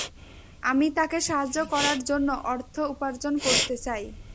আমি তাকে সাহায্য করার জন্য অর্থ উপার্জন করতে চাই।